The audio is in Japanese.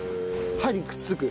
刃にくっつく。